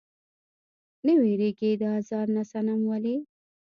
نۀ ويريږي د ازار نه صنم ولې؟